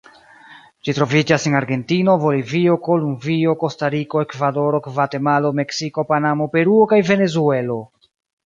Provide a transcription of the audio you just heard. Ĝi troviĝas en Argentino, Bolivio, Kolumbio, Kostariko, Ekvadoro, Gvatemalo, Meksiko, Panamo, Peruo kaj Venezuelo.